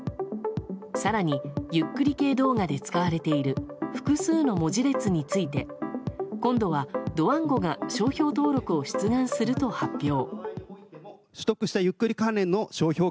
更に、ゆっくり系動画で使われている複数の文字列について今度はドワンゴが商標登録を出願すると発表。